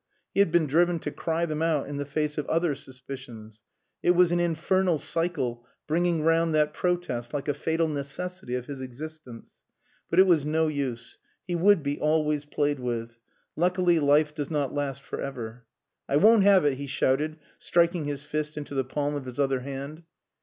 He had been driven to cry them out in the face of other suspicions. It was an infernal cycle bringing round that protest like a fatal necessity of his existence. But it was no use. He would be always played with. Luckily life does not last for ever. "I won't have it!" he shouted, striking his fist into the palm of his other hand.